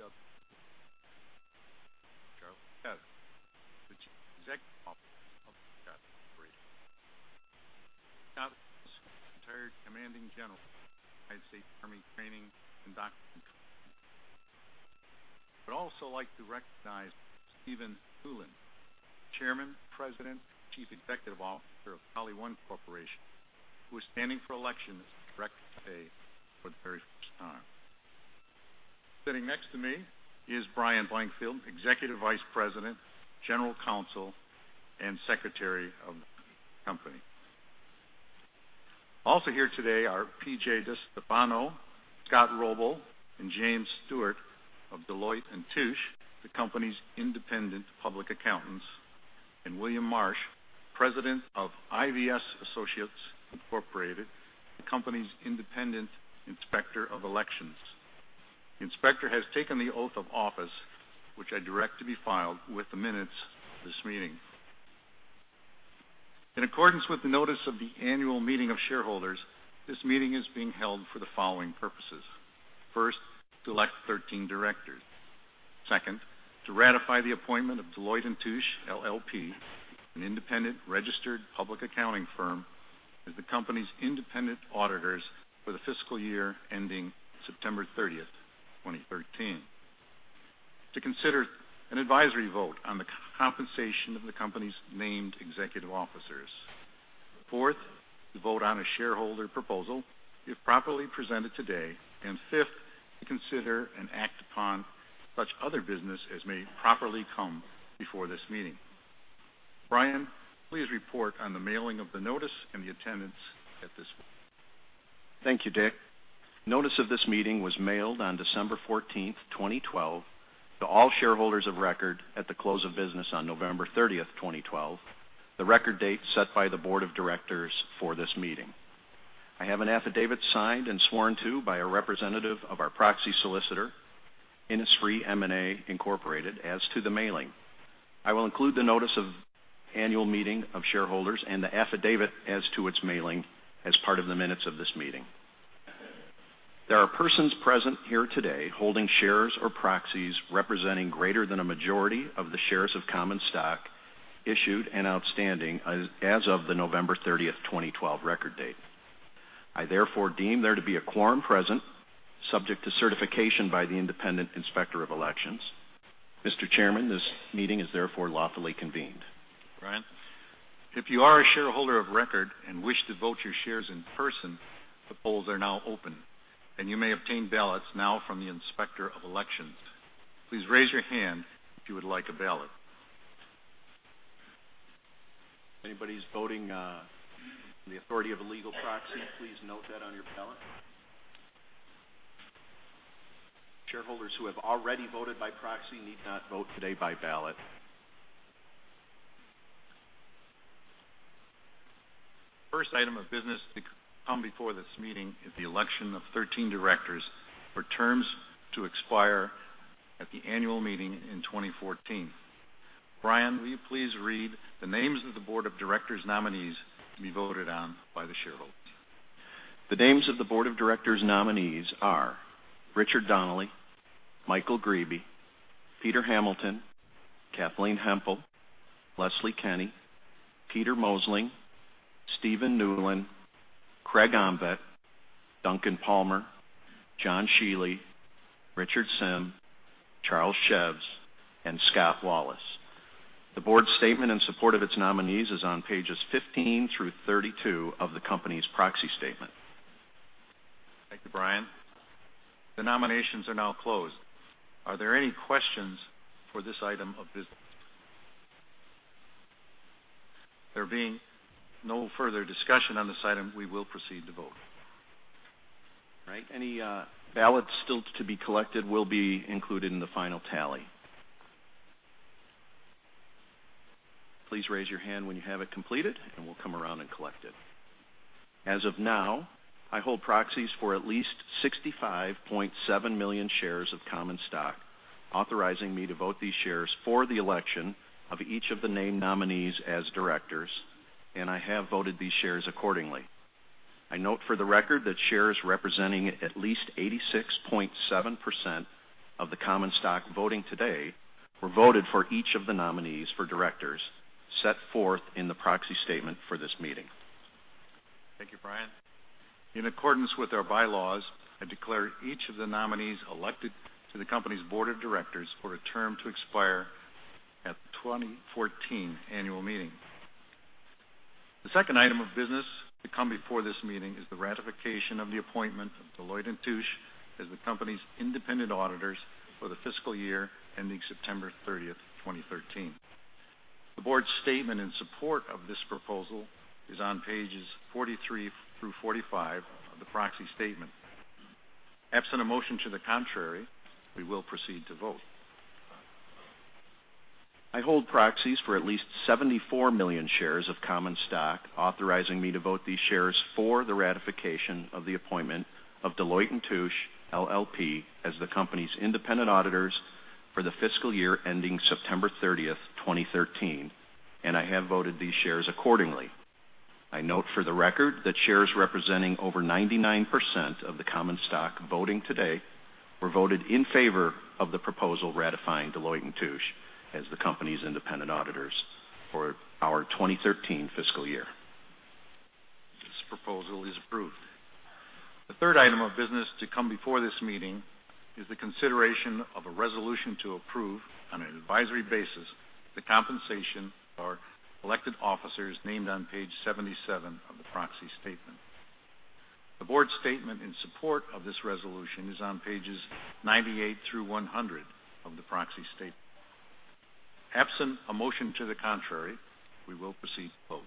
I would also like to recognize Stephen D. Newlin, Chairman, President, and Chief Executive Officer of PolyOne Corporation, who was standing for election as a Director for the very first time. Sitting next to me is Bryan J. Blankfield, Executive Vice President, General Counsel, and Secretary of the company. Also here today are P.J. DiStefano, Scott Wrobbel, and James Stewart of Deloitte & Touche, the company's independent public accountants, and William Marsh, President of IVS Associates, Inc., the company's independent inspector of elections. The inspector has taken the oath of office, which I direct to be filed with the minutes of this meeting. In accordance with the notice of the annual meeting of shareholders, this meeting is being held for the following purposes: first, to elect 13 directors; second, to ratify the appointment of Deloitte & Touche LLP, an independent registered public accounting firm, as the company's independent auditors for the fiscal year ending September 30th, 2013; to consider an advisory vote on the compensation of the company's named executive officers; fourth, to vote on a shareholder proposal, if properly presented today; and fifth, to consider and act upon such other business as may properly come before this meeting. Bryan, please report on the mailing of the notice and the attendance at this meeting. Thank you, Dick. The notice of this meeting was mailed on December 14th, 2012, to all shareholders of record at the close of business on November 30th, 2012, the record date set by the Board of Directors for this meeting. I have an affidavit signed and sworn to by a representative of our proxy solicitor, Innisfree M&A Incorporated, as to the mailing. I will include the notice of the annual meeting of shareholders and the affidavit as to its mailing as part of the minutes of this meeting. There are persons present here today holding shares or proxies representing greater than a majority of the shares of common stock issued and outstanding as of the November 30th, 2012, record date. I therefore deem there to be a quorum present, subject to certification by the independent inspector of elections. Mr. Chairman, this meeting is therefore lawfully convened. Bryan, if you are a shareholder of record and wish to vote your shares in person, the polls are now open, and you may obtain ballots now from the Inspector of Elections. Please raise your hand if you would like a ballot. Anybody's voting in the authority of a legal proxy, please note that on your ballot. Shareholders who have already voted by proxy need not vote today by ballot. The first item of business to come before this meeting is the election of 13 directors for terms to expire at the annual meeting in 2014. Bryan, will you please read the names of the Board of Directors nominees to be voted on by the shareholders? The names of the Board of Directors nominees are Richard Donnelly, Michael Grebe, Peter Hamilton, Kathleen Hempel, Leslie Kenne, Peter Mosling, Stephen Newlin, Craig Omtvedt, Duncan Palmer, John Shiely, Richard Sim, Charles Szews, and Scott Wallace. The board's statement in support of its nominees is on pages 15 through 32 of the company's proxy statement. Thank you, Bryan. The nominations are now closed. Are there any questions for this item of business? There being no further discussion on this item, we will proceed to vote. All right. Any ballots still to be collected will be included in the final tally. Please raise your hand when you have it completed, and we'll come around and collect it. As of now, I hold proxies for at least 65.7 million shares of common stock, authorizing me to vote these shares for the election of each of the named nominees as directors, and I have voted these shares accordingly. I note for the record that shares representing at least 86.7% of the common stock voting today were voted for each of the nominees for directors set forth in the proxy statement for this meeting. Thank you, Bryan. In accordance with our bylaws, I declare each of the nominees elected to the company's board of directors for a term to expire at the 2014 annual meeting. The second item of business to come before this meeting is the ratification of the appointment of Deloitte and Touche as the company's independent auditors for the fiscal year ending September 30th, 2013. The board's statement in support of this proposal is on pages 43 through 45 of the proxy statement. Absent a motion to the contrary, we will proceed to vote. I hold proxies for at least 74 million shares of common stock, authorizing me to vote these shares for the ratification of the appointment of Deloitte & Touche LLP as the company's independent auditors for the fiscal year ending September 30th, 2013, and I have voted these shares accordingly. I note for the record that shares representing over 99% of the common stock voting today were voted in favor of the proposal ratifying Deloitte & Touche as the company's independent auditors for our 2013 fiscal year. This proposal is approved. The third item of business to come before this meeting is the consideration of a resolution to approve on an advisory basis the compensation of our elected officers named on page 77 of the Proxy Statement. The Board's statement in support of this resolution is on pages 98 through 100 of the Proxy Statement. Absent a motion to the contrary, we will proceed to vote.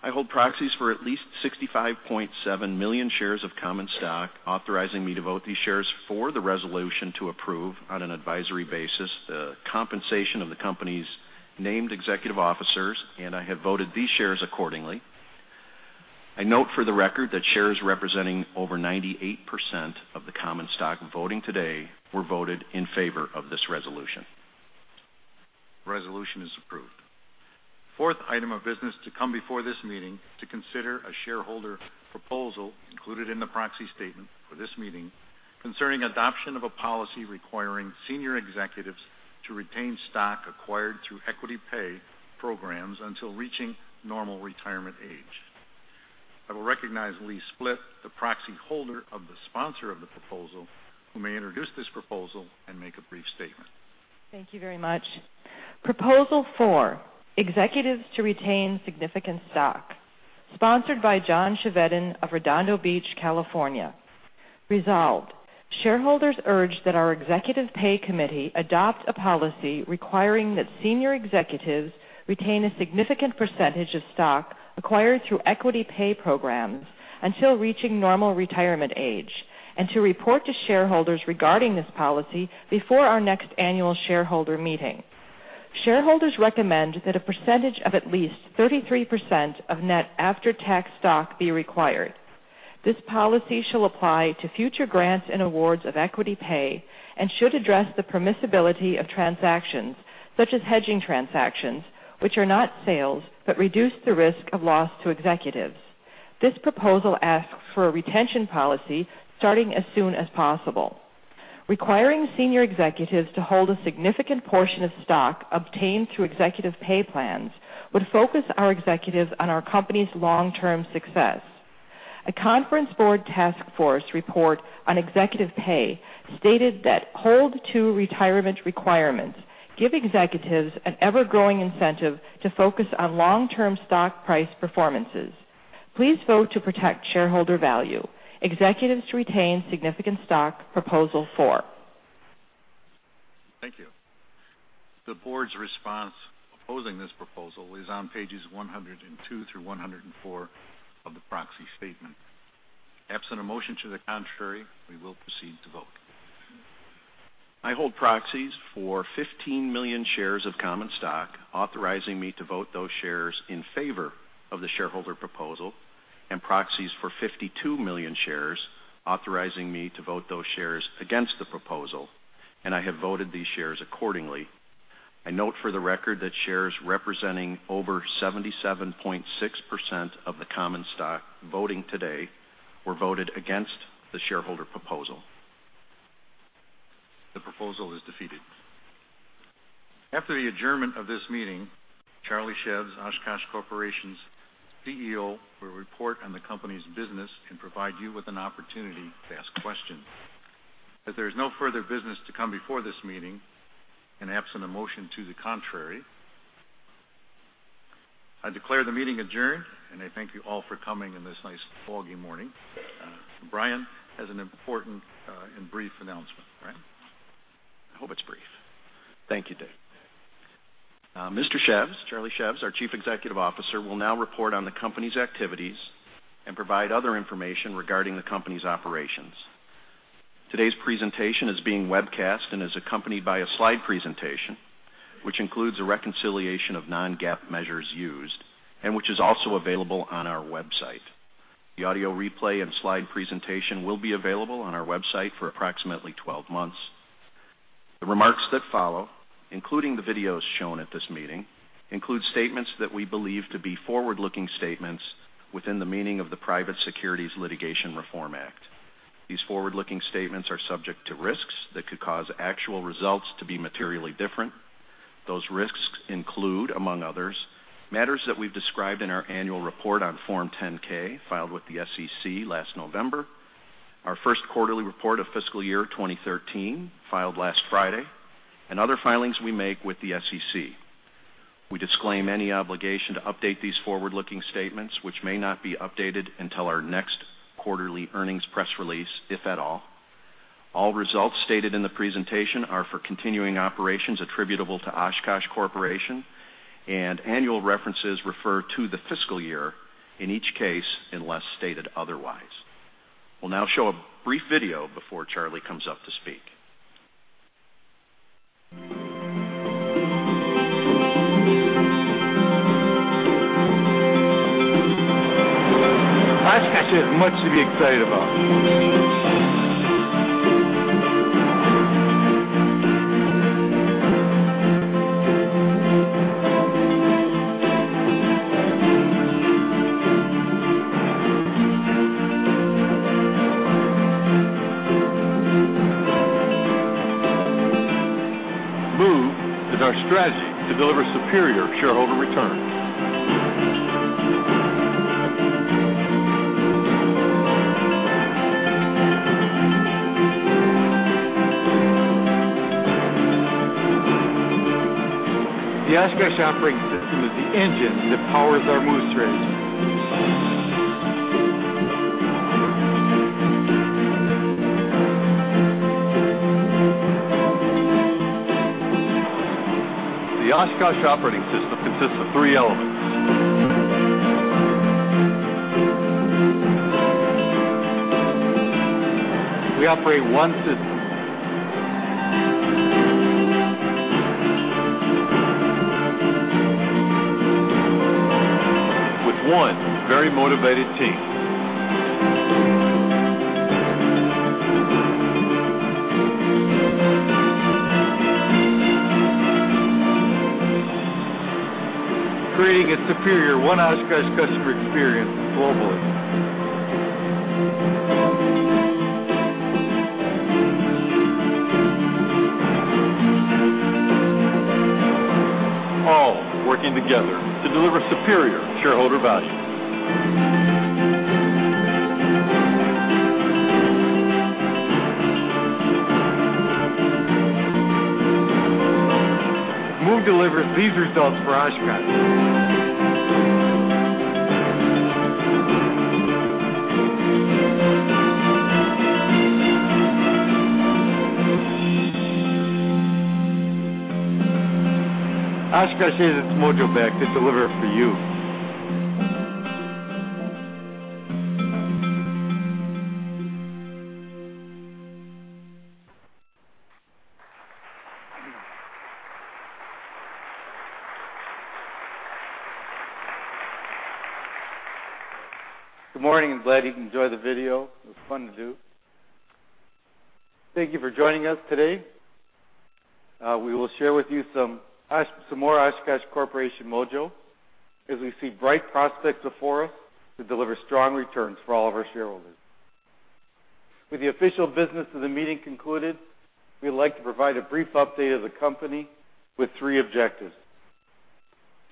I hold proxies for at least 65.7 million shares of common stock, authorizing me to vote these shares for the resolution to approve on an advisory basis the compensation of the company's named executive officers, and I have voted these shares accordingly. I note for the record that shares representing over 98% of the common stock voting today were voted in favor of this resolution. The resolution is approved. The fourth item of business to come before this meeting is to consider a shareholder proposal included in the proxy statement for this meeting concerning adoption of a policy requiring senior executives to retain stock acquired through equity pay programs until reaching normal retirement age. I will recognize Lee Splitt, the proxy holder of the sponsor of the proposal, who may introduce this proposal and make a brief statement. Thank you very much. Proposal four, executives to retain significant stock, sponsored by John Chevedden of Redondo Beach, California. Resolved. Shareholders urge that our executive pay committee adopt a policy requiring that senior executives retain a significant percentage of stock acquired through equity pay programs until reaching normal retirement age and to report to shareholders regarding this policy before our next annual shareholder meeting. Shareholders recommend that a percentage of at least 33% of net after-tax stock be required. This policy shall apply to future grants and awards of equity pay and should address the permissibility of transactions such as hedging transactions, which are not sales, but reduce the risk of loss to executives. This proposal asks for a retention policy starting as soon as possible. Requiring senior executives to hold a significant portion of stock obtained through executive pay plans would focus our executives on our company's long-term success. The Conference Board task force report on executive pay stated that hold-to-retirement requirements give executives an ever-growing incentive to focus on long-term stock price performances. Please vote to protect shareholder value. Executives to retain significant stock, proposal four. Thank you. The board's response opposing this proposal is on pages 102-pages 104 of the proxy statement. Absent a motion to the contrary, we will proceed to vote. I hold proxies for 15 million shares of common stock, authorizing me to vote those shares in favor of the shareholder proposal, and proxies for 52 million shares, authorizing me to vote those shares against the proposal, and I have voted these shares accordingly. I note for the record that shares representing over 77.6% of the common stock voting today were voted against the shareholder proposal. The proposal is defeated. After the adjournment of this meeting, Charlie Szews, Oshkosh Corporation's CEO, will report on the company's business and provide you with an opportunity to ask questions. As there is no further business to come before this meeting and absent a motion to the contrary, I declare the meeting adjourned, and I thank you all for coming in this nice foggy morning. Bryan has an important and brief announcement, right? I hope it's brief. Thank you, Dick. Mr. Szews, Charlie Szews, our Chief Executive Officer, will now report on the company's activities and provide other information regarding the company's operations. Today's presentation is being webcast and is accompanied by a slide presentation, which includes a reconciliation of non-GAAP measures used and which is also available on our website. The audio replay and slide presentation will be available on our website for approximately 12 months. The remarks that follow, including the videos shown at this meeting, include statements that we believe to be forward-looking statements within the meaning of the Private Securities Litigation Reform Act. These forward-looking statements are subject to risks that could cause actual results to be materially different. Those risks include, among others, matters that we've described in our annual report on Form 10-K filed with the SEC last November, our first quarterly report of fiscal year 2013 filed last Friday, and other filings we make with the SEC. We disclaim any obligation to update these forward-looking statements, which may not be updated until our next quarterly earnings press release, if at all. All results stated in the presentation are for continuing operations attributable to Oshkosh Corporation, and annual references refer to the fiscal year, in each case unless stated otherwise. We'll now show a brief video before Charlie comes up to speak. Oshkosh has much to be excited about. MOVE is our strategy to deliver superior shareholder returns. The Oshkosh Operating System is the engine that powers our MOVE strategy. The Oshkosh Operating System consists of three elements. We operate one system. With one very motivated team. Creating a superior One Oshkosh customer experience globally. All working together to deliver superior shareholder value. MOVE delivers these results for Oshkosh. Oshkosh has its mojo back to deliver for you. Good morning, and glad you can enjoy the video. It was fun to do. Thank you for joining us today. We will share with you some more Oshkosh Corporation mojo as we see bright prospects before us to deliver strong returns for all of our shareholders. With the official business of the meeting concluded, we'd like to provide a brief update of the company with three objectives.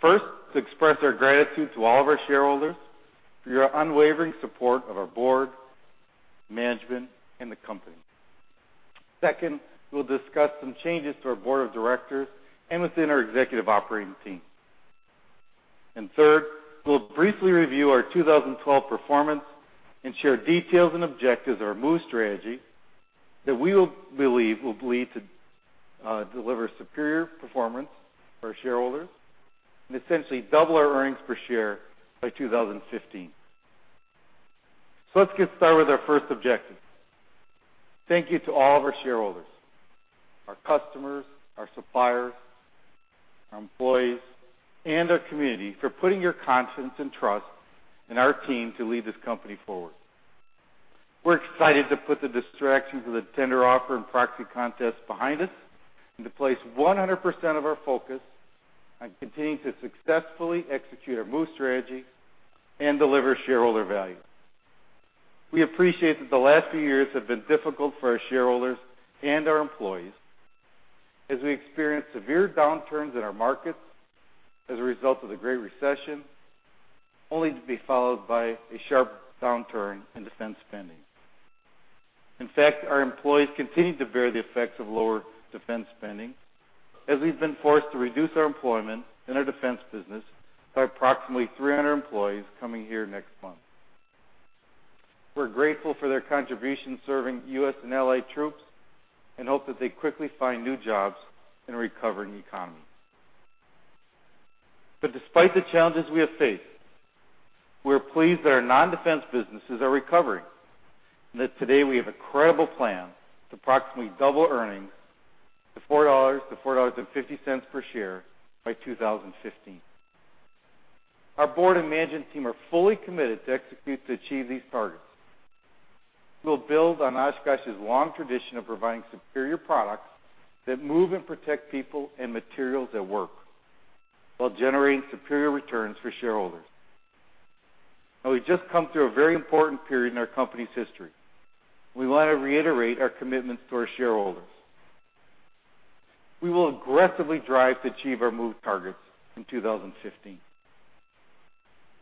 First, to express our gratitude to all of our shareholders for your unwavering support of our board, management, and the company. Second, we'll discuss some changes to our board of directors and within our executive operating team. Third, we'll briefly review our 2012 performance and share details and objectives of our MOVE strategy that we believe will lead to deliver superior performance for our shareholders and essentially double our earnings per share by 2015. Let's get started with our first objective. Thank you to all of our shareholders, our customers, our suppliers, our employees, and our community for putting your confidence and trust in our team to lead this company forward. We're excited to put the distractions of the tender offer and proxy contest behind us and to place 100% of our focus on continuing to successfully execute our MOVE strategy and deliver shareholder value. We appreciate that the last few years have been difficult for our shareholders and our employees as we experienced severe downturns in our markets as a result of the Great Recession, only to be followed by a sharp downturn in defense spending. In fact, our employees continue to bear the effects of lower defense spending as we've been forced to reduce our employment in our defense business by approximately 300 employees coming here next month. We're grateful for their contribution serving U.S. and allied troops and hope that they quickly find new jobs in a recovering economy. Despite the challenges we have faced, we're pleased that our non-defense businesses are recovering and that today we have a credible plan to approximately double earnings to $4-$4.50 per share by 2015. Our board and management team are fully committed to execute to achieve these targets. We'll build on Oshkosh's long tradition of providing superior products that move and protect people and materials at work while generating superior returns for shareholders. Now we've just come through a very important period in our company's history. We want to reiterate our commitments to our shareholders. We will aggressively drive to achieve our MOVE targets in 2015.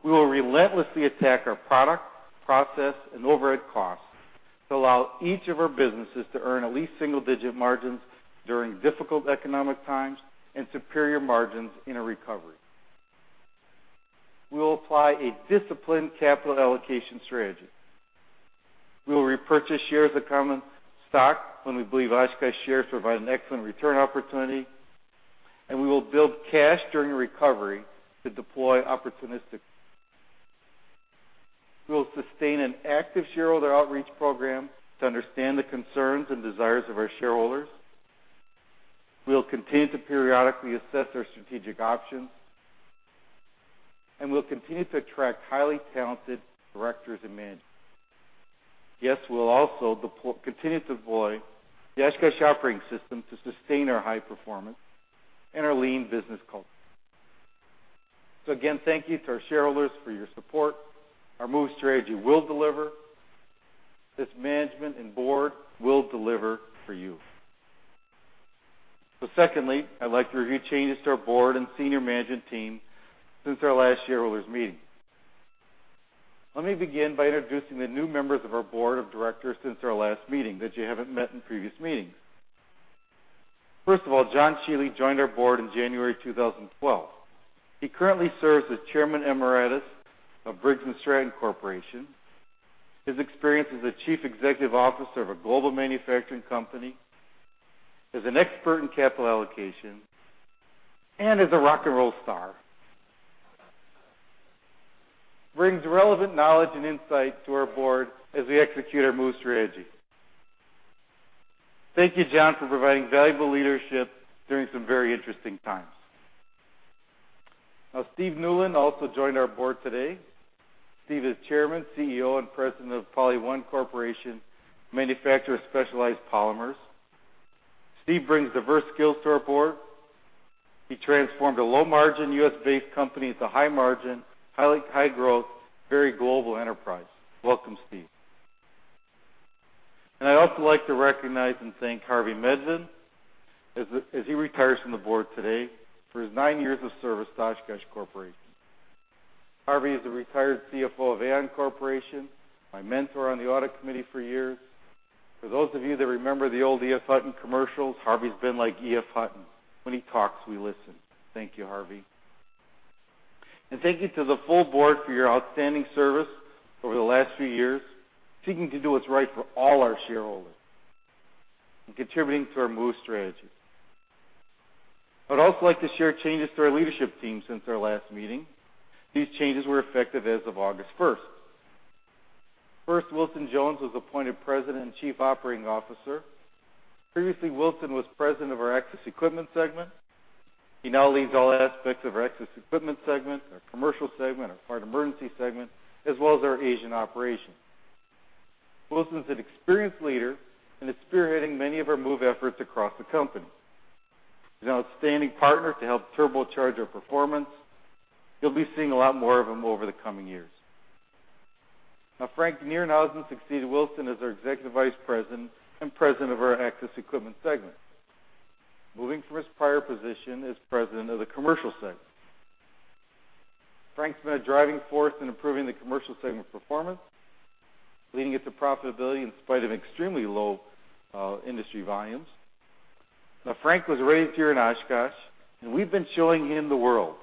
We will relentlessly attack our product, process, and overhead costs to allow each of our businesses to earn at least single-digit margins during difficult economic times and superior margins in a recovery. We will apply a disciplined capital allocation strategy. We will repurchase shares of common stock when we believe Oshkosh shares provide an excellent return opportunity, and we will build cash during a recovery to deploy opportunistically. We will sustain an active shareholder outreach program to understand the concerns and desires of our shareholders. We'll continue to periodically assess our strategic options, and we'll continue to attract highly talented directors and management. Yes, we'll also continue to deploy the Oshkosh Operating System to sustain our high performance and our lean business culture. So again, thank you to our shareholders for your support. Our MOVE strategy will deliver. This management and board will deliver for you. So secondly, I'd like to review changes to our board and senior management team since our last shareholders' meeting. Let me begin by introducing the new members of our board of directors since our last meeting that you haven't met in previous meetings. First of all, John Shiely joined our board in January 2012. He currently serves as Chairman Emeritus of Briggs & Stratton Corporation. His experience as a Chief Executive Officer of a global manufacturing company, as an expert in capital allocation, and as a rock and roll star brings relevant knowledge and insight to our board as we execute our MOVE strategy. Thank you, John, for providing valuable leadership during some very interesting times. Now, Steve Newlin also joined our board today. Steve is Chairman, CEO, and President of PolyOne Corporation, manufacturer of specialized polymers. Steve brings diverse skills to our board. He transformed a low-margin U.S.-based company into a high-margin, high-growth, very global enterprise. Welcome, Steve. And I'd also like to recognize and thank Harvey Medvin as he retires from the board today for his nine years of service to Oshkosh Corporation. Harvey is a retired CFO of Aon Corporation, my mentor on the audit committee for years. For those of you that remember the old E.F. Hutton commercials, Harvey's been like E.F. Hutton. When he talks, we listen. Thank you, Harvey. Thank you to the full board for your outstanding service over the last few years seeking to do what's right for all our shareholders and contributing to our MOVE strategy. I'd also like to share changes to our leadership team since our last meeting. These changes were effective as of August 1st. First, Wilson Jones was appointed President and Chief Operating Officer. Previously, Wilson was President of our Access Equipment segment. He now leads all aspects of our Access Equipment segment, our Commercial segment, our Fire and Emergency segment, as well as our Asian operations. Wilson's an experienced leader and is spearheading many of our MOVE efforts across the company. He's an outstanding partner to help turbocharge our performance. You'll be seeing a lot more of him over the coming years. Now, Frank Nerenhausen succeeded Wilson as our Executive Vice President and President of our Access Equipment segment, moving from his prior position as President of the Commercial segment. Frank's been a driving force in improving the Commercial segment performance, leading it to profitability in spite of extremely low industry volumes. Now, Frank was raised here in Oshkosh, and we've been showing him the world.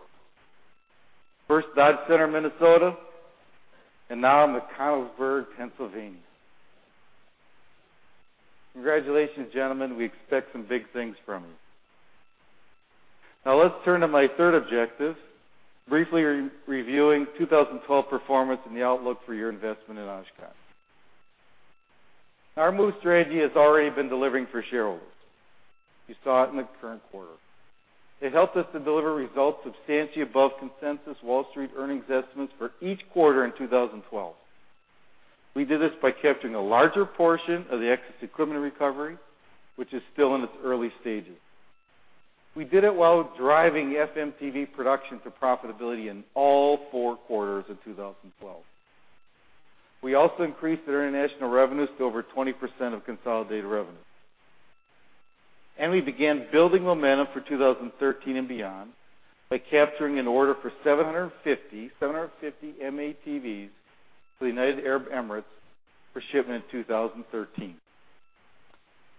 First, Dodge Center, Minnesota, and now McConnellsburg, Pennsylvania. Congratulations, gentlemen. We expect some big things from you. Now, let's turn to my third objective, briefly reviewing 2012 performance and the outlook for your investment in Oshkosh. Our MOVE strategy has already been delivering for shareholders. You saw it in the current quarter. It helped us to deliver results substantially above consensus Wall Street earnings estimates for each quarter in 2012. We did this by capturing a larger portion of the Access Equipment recovery, which is still in its early stages. We did it while driving FMTV production to profitability in all four quarters of 2012. We also increased our international revenues to over 20% of consolidated revenue. And we began building momentum for 2013 and beyond by capturing an order for 750 M-ATVs for the United Arab Emirates for shipment in 2013.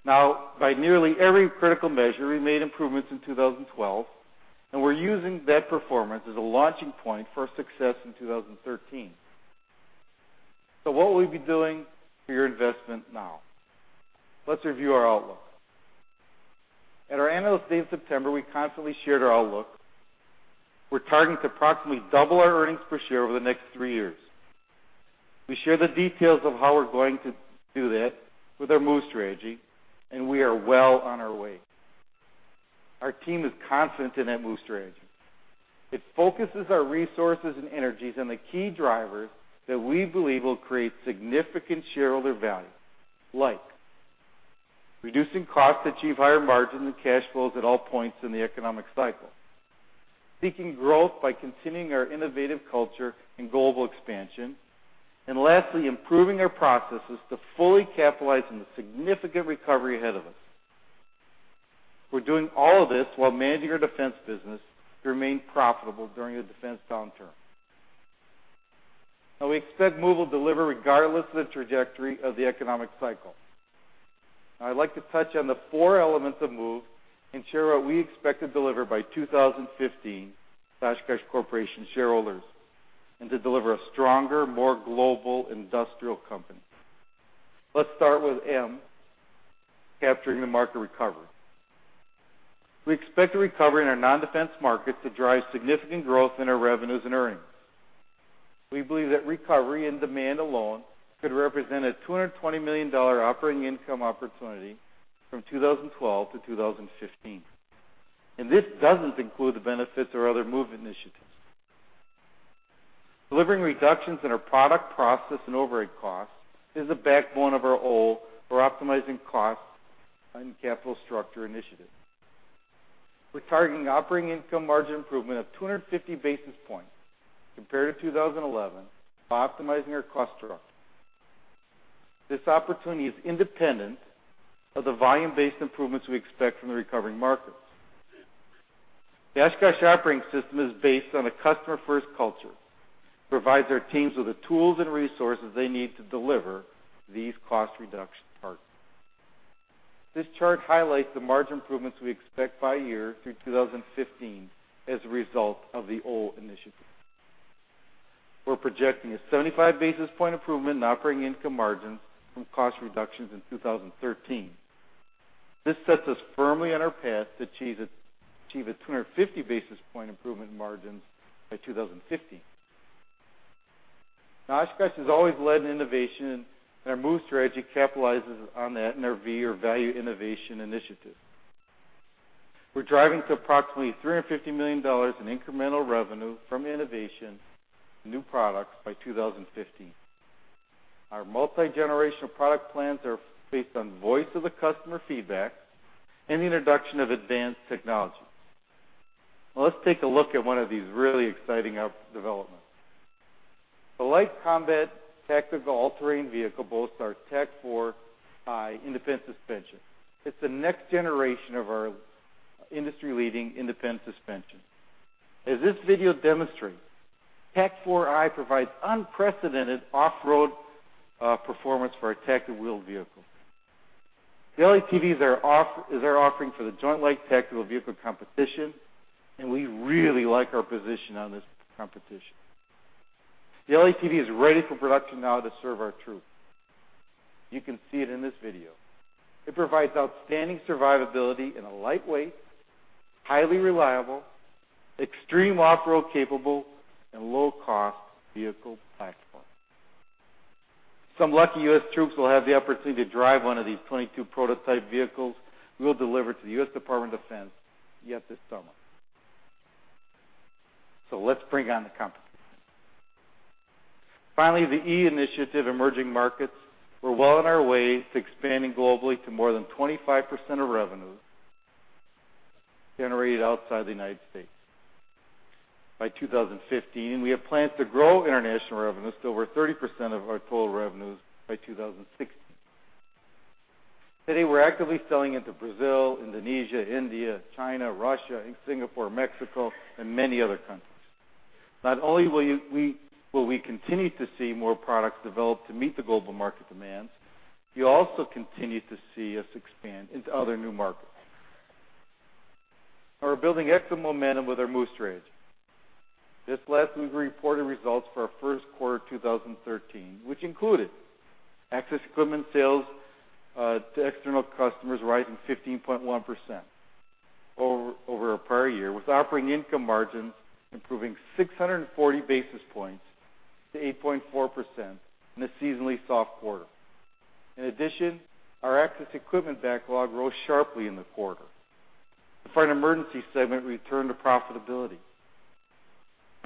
Now, by nearly every critical measure, we made improvements in 2012, and we're using that performance as a launching point for our success in 2013. So what will we be doing for your investment now? Let's review our outlook. At our analyst day in September, we confidently shared our outlook. We're targeting to approximately double our earnings per share over the next three years. We shared the details of how we're going to do that with our MOVE strategy, and we are well on our way. Our team is confident in that MOVE strategy. It focuses our resources and energies on the key drivers that we believe will create significant shareholder value, like reducing costs to achieve higher margins and cash flows at all points in the economic cycle, seeking growth by continuing our innovative culture and global expansion, and lastly, improving our processes to fully capitalize on the significant recovery ahead of us. We're doing all of this while managing our defense business to remain profitable during a defense downturn. Now, we expect MOVE will deliver regardless of the trajectory of the economic cycle. Now, I'd like to touch on the four elements of MOVE and share what we expect to deliver by 2015, Oshkosh Corporation shareholders, and to deliver a stronger, more global industrial company. Let's start with M, capturing the market recovery. We expect a recovery in our non-defense markets to drive significant growth in our revenues and earnings. We believe that recovery in demand alone could represent a $220 million operating income opportunity from 2012 to 2015. And this doesn't include the benefits of other MOVE initiatives. Delivering reductions in our product, process, and overhead costs is the backbone of our whole optimizing cost and capital structure initiative. We're targeting operating income margin improvement of 250 basis points compared to 2011 by optimizing our cost structure. This opportunity is independent of the volume-based improvements we expect from the recovering markets. The Oshkosh Operating System is based on a customer-first culture. It provides our teams with the tools and resources they need to deliver these cost reduction targets. This chart highlights the margin improvements we expect by year through 2015 as a result of the whole initiative. We're projecting a 75 basis point improvement in operating income margins from cost reductions in 2013. This sets us firmly on our path to achieve a 250 basis point improvement in margins by 2015. Now, Oshkosh has always led in innovation, and our MOVE strategy capitalizes on that in our V or Value Innovation initiative. We're driving to approximately $350 million in incremental revenue from innovation and new products by 2015. Our multi-generational product plans are based on voice of the customer feedback and the introduction of advanced technology. Now, let's take a look at one of these really exciting developments. The Light Combat Tactical All-Terrain Vehicle boasts our TAK-4i independent suspension. It's the next generation of our industry-leading independent suspension. As this video demonstrates, TAK-4i provides unprecedented off-road performance for our tactical wheeled vehicle. The L-ATVs are offering for the Joint Light Tactical Vehicle Competition, and we really like our position on this competition. The L-ATV is ready for production now to serve our troops. You can see it in this video. It provides outstanding survivability in a lightweight, highly reliable, extreme off-road capable, and low-cost vehicle platform. Some lucky U.S. troops will have the opportunity to drive one of these 22 prototype vehicles we'll deliver to the U.S. Department of Defense yet this summer. So let's bring on the competition. Finally, the E initiative emerging markets, we're well on our way to expanding globally to more than 25% of revenues generated outside the United States by 2015, and we have plans to grow international revenues to over 30% of our total revenues by 2016. Today, we're actively selling into Brazil, Indonesia, India, China, Russia, Singapore, Mexico, and many other countries. Not only will we continue to see more products developed to meet the global market demands, you'll also continue to see us expand into other new markets. Now, we're building excellent momentum with our MOVE strategy. Just last week, we reported results for our first quarter of 2013, which included Access Equipment sales to external customers rising 15.1% over our prior year, with operating income margins improving 640 basis points to 8.4% in a seasonally soft quarter. In addition, our Access Equipment backlog rose sharply in the quarter. The Fire and Emergency segment returned to profitability.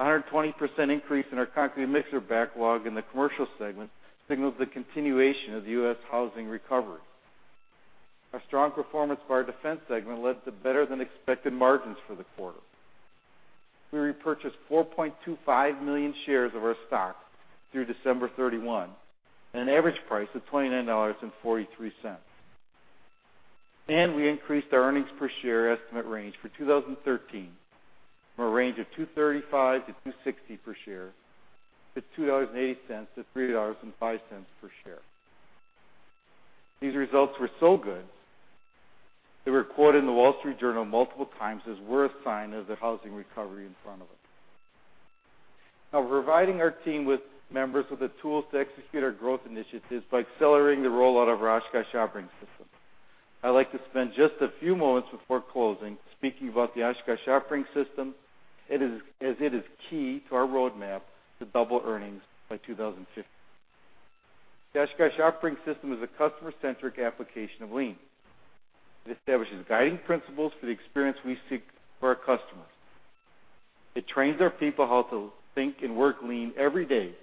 A 120% increase in our concrete mixer backlog in the Commercial segment signals the continuation of the U.S. housing recovery. Our strong performance by our Defense segment led to better-than-expected margins for the quarter. We repurchased 4.25 million shares of our stock through December 31 at an average price of $29.43. We increased our earnings per share estimate range for 2013 from a range of $2.35-$2.60 per share to $2.80-$3.05 per share. These results were so good, they were quoted in the Wall Street Journal multiple times as we're a sign of the housing recovery in front of us. Now, we're providing our team with members with the tools to execute our growth initiatives by accelerating the rollout of our Oshkosh Operating System. I'd like to spend just a few moments before closing speaking about the Oshkosh Operating System as it is key to our roadmap to double earnings by 2015. The Oshkosh Operating System is a customer-centric application of Lean. It establishes guiding principles for the experience we seek for our customers. It trains our people how to think and work Lean every day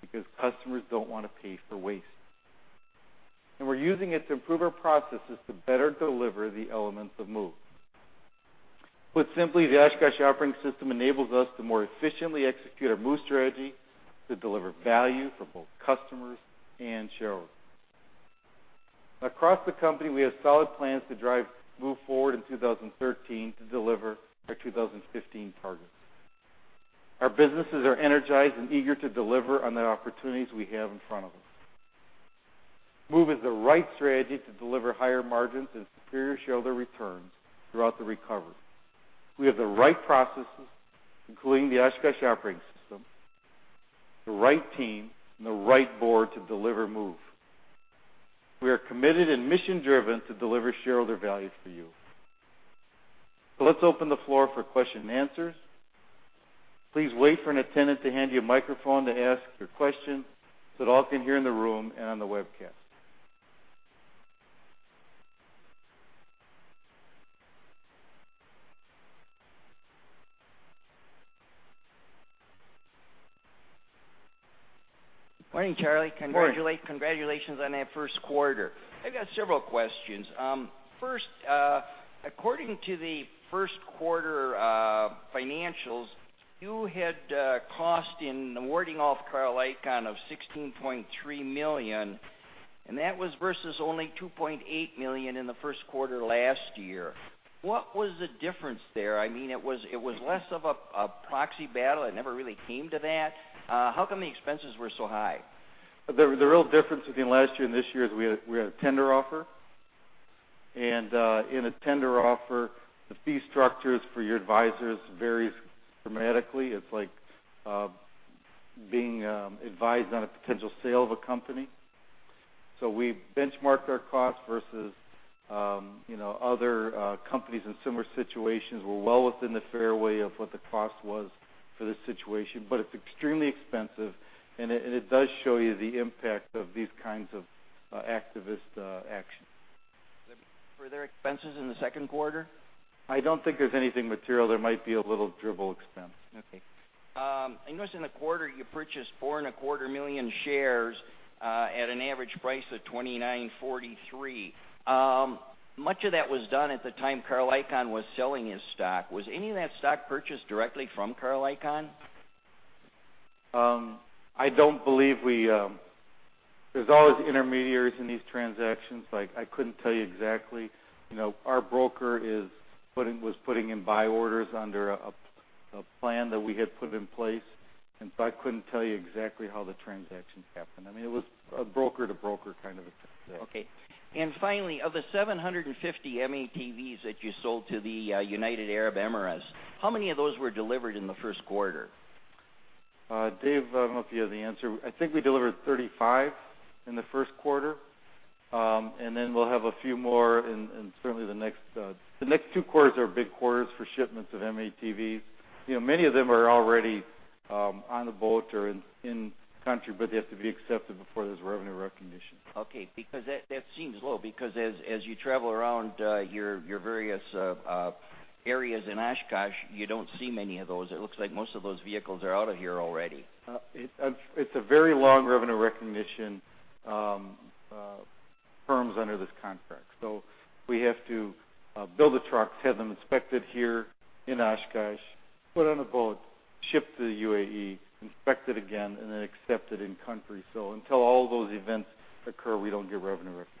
because customers don't want to pay for waste. And we're using it to improve our processes to better deliver the elements of MOVE. Put simply, the Oshkosh Operating System enables us to more efficiently execute our MOVE strategy to deliver value for both customers and shareholders. Across the company, we have solid plans to drive MOVE forward in 2013 to deliver our 2015 targets. Our businesses are energized and eager to deliver on the opportunities we have in front of us. MOVE is the right strategy to deliver higher margins and superior shareholder returns throughout the recovery. We have the right processes, including the Oshkosh Operating System, the right team, and the right board to deliver MOVE. We are committed and mission-driven to deliver shareholder value for you. So let's open the floor for questions and answers. Please wait for an attendant to hand you a microphone to ask your question so that all can hear in the room and on the webcast. Morning, Charlie. Congratulations on that first quarter. I've got several questions. First, according to the first quarter financials, you had costs in warding off Carl Icahn of $16.3 million, and that was versus only $2.8 million in the first quarter last year. What was the difference there? I mean, it was less of a proxy battle. It never really came to that. How come the expenses were so high? The real difference between last year and this year is we had a tender offer. And in a tender offer, the fee structures for your advisors vary dramatically. It's like being advised on a potential sale of a company. So we benchmarked our costs versus other companies in similar situations. We're well within the fairway of what the cost was for this situation, but it's extremely expensive, and it does show you the impact of these kinds of activist actions. Were there expenses in the second quarter? I don't think there's anything material. There might be a little dribble expense. Okay. I noticed in the quarter, you purchased 4.25 million shares at an average price of $29.43. Much of that was done at the time Carl Icahn was selling his stock. Was any of that stock purchased directly from Carl Icahn? I don't believe we're there. There's always intermediaries in these transactions. I couldn't tell you exactly. Our broker was putting in buy orders under a plan that we had put in place, and so I couldn't tell you exactly how the transactions happened. I mean, it was a broker-to-broker kind of a transaction. Okay. And finally, of the 750 M-ATVs that you sold to the United Arab Emirates, how many of those were delivered in the first quarter? Dave, I don't know if you have the answer. I think we delivered 35 in the first quarter, and then we'll have a few more in – certainly the next two quarters are big quarters for shipments of M-ATVs. Many of them are already on the boat or in country, but they have to be accepted before there's revenue recognition. Okay. That seems low because as you travel around your various areas in Oshkosh, you don't see many of those. It looks like most of those vehicles are out of here already. It's a very long revenue recognition terms under this contract. So we have to build the trucks, have them inspected here in Oshkosh, put on a boat, ship to the UAE, inspect it again, and then accept it in country. So until all those events occur, we don't get revenue recognition.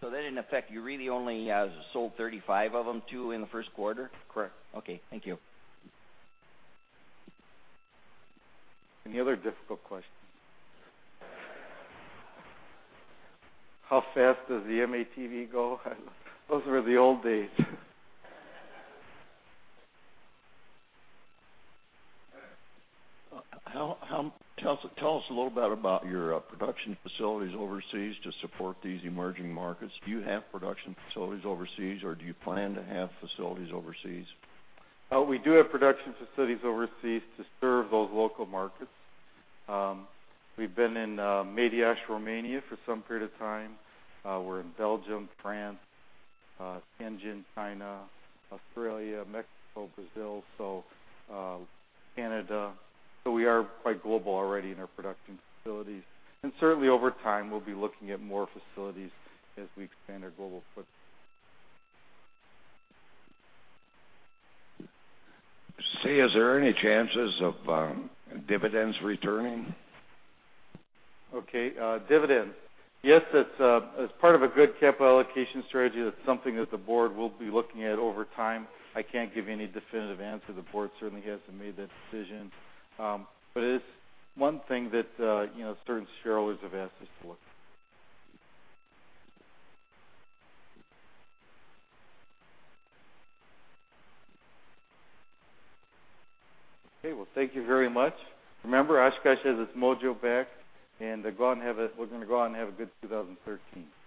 So that didn't affect you really only sold 35 of them too in the first quarter? Correct. Okay. Thank you. Any other difficult questions? How fast does the M-ATV go? Those were the old days. Tell us a little bit about your production facilities overseas to support these emerging markets. Do you have production facilities overseas, or do you plan to have facilities overseas? We do have production facilities overseas to serve those local markets. We've been in Mediaș, Romania for some period of time. We're in Belgium, France, Shenzhen, China, Australia, Mexico, Brazil, so Canada. So we are quite global already in our production facilities. And certainly, over time, we'll be looking at more facilities as we expand our global footprint. Say, is there any chances of dividends returning? Okay. Dividends. Yes, that's part of a good capital allocation strategy. That's something that the board will be looking at over time. I can't give you any definitive answer. The board certainly hasn't made that decision. But it is one thing that certain shareholders have asked us to look at. Okay. Well, thank you very much. Remember, Oshkosh has its mojo back, and we're going to go out and have a good 2013.